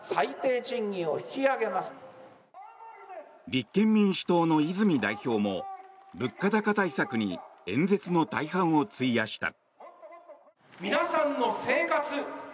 立憲民主党の泉代表も物価高対策に演説の大半を費やした。